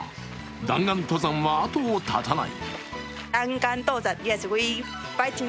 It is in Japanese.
弾丸登山は後を絶たない。